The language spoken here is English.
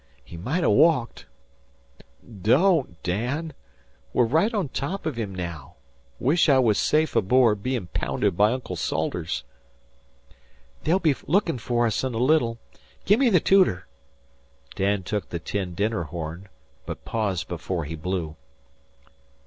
He might ha' walked." "Don't, Dan! We're right on top of him now. 'Wish I was safe aboard, hem' pounded by Uncle Salters." "They'll be lookin' fer us in a little. Gimme the tooter." Dan took the tin dinner horn, but paused before he blew.